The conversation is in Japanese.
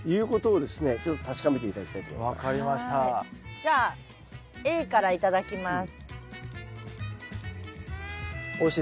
じゃあＡから頂きます。